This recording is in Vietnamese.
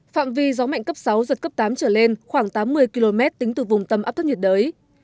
phạm vi gió mạnh cấp sáu giật cấp tám trở lên khoảng tám mươi km tính từ vùng tâm áp thấp nhiệt đới